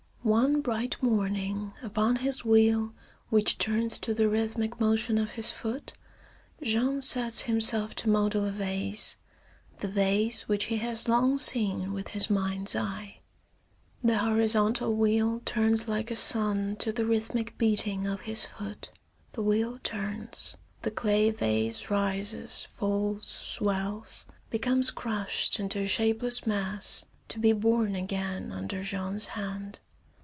IV One bright morning, upon his wheel, which turns to the rhythmic motion of his foot, Jean sets himself to model a vase, the vase which he has long seen with his mind's eye. The horizontal wheel turns like a sun to the rhythmic beating of his foot. The wheel turns. The clay vase rises, falls, swells, becomes crushed into a shapeless mass, to be born again under Jean's hand.